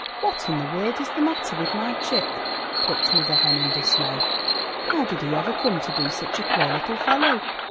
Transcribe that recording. What in the world is the matter with my chick?*' clucked Mother Hen in dismay. ''How did he ever come to be such a queer little fellow?'